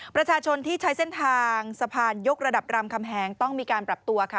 ประชาชนที่ใช้เส้นทางสะพานยกระดับรามคำแหงต้องมีการปรับตัวค่ะ